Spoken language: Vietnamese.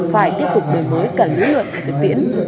phải tiếp tục đổi mới cả lý luận và thực tiễn